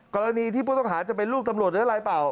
กรณีที่ผู้ต้องหาจะเป็นลูกตำรวจหรืออะไรเปล่า